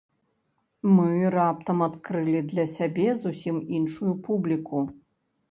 Мы раптам адкрылі для сябе зусім іншую публіку.